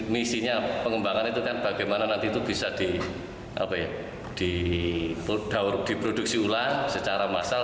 misinya pengembangan itu kan bagaimana nanti itu bisa diproduksi ulang secara massal